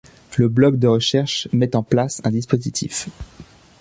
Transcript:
Le Bloc de recherche met en place un dispositif.